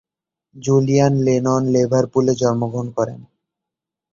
Julian Lennon লিভারপুলে জন্মগ্রহণ করেন।